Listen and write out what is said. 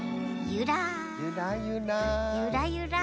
ゆらゆら。